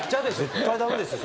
絶対ダメですよ